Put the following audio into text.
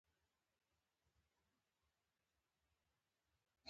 له خلکو سره داسي چلند کوئ؛ لکه له ځان سره چې کوى.